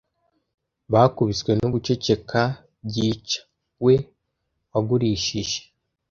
Bakubiswe no guceceka byica. We wagurishije